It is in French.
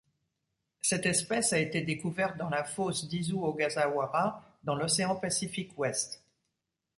Cette espèce a été découverte dans la fosse d'Izu-Ogasawara dans l'océan Pacifique Ouest.